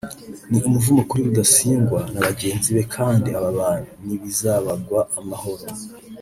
ni umuvumo kuri Rudasingwa na bagenzi be kandi aba bantu nibizabagwa amahoro